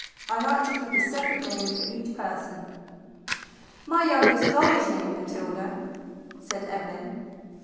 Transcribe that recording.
I like to keep a separate name for each person." "My youngest doll is named Matilda," said Eve lyn.